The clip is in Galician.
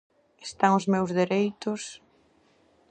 Están os meus dereitos...